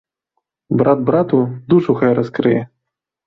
Брат брату душу хай раскрые.